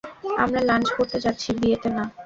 আমরা লাঞ্চ করতে যাচ্ছি, বিয়েতে না।